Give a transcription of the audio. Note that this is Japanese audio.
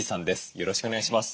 よろしくお願いします。